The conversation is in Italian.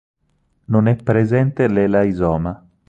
Non è presente l'elaisoma.